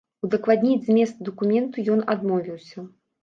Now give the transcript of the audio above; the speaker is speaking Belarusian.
Удакладніць змест дакументу ён адмовіўся.